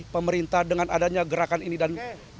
pemerintah dengan adanya gerakan ini dan